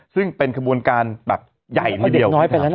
ซึ่งเป็นขบวนการแบบใหญ่ทีเดียว